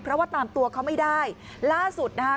เพราะว่าตามตัวเขาไม่ได้ล่าสุดนะคะ